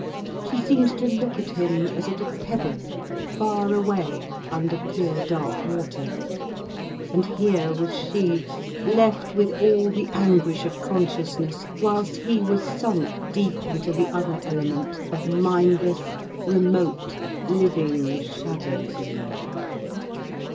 She seemed to look at him as at a pebble far away under clear dark water. And here was she, left with all the anguish of consciousness, whilst he was sunk deep into the other element of mindless, remote, living shadow gleam.